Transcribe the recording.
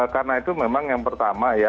karena itu memang yang pertama ya